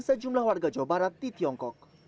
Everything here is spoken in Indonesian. sejumlah warga jawa barat di tiongkok